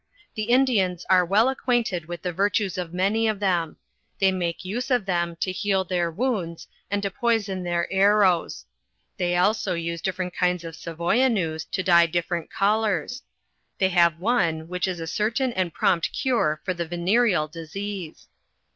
The Indians are well acquainted with the virtues of many of them: they make use of them to heal their wounds and to poison their arrows; they also use different kinds of Savoyanues, to dye different colors; they have one which is a certain and'prornpt cure for the venereal disease.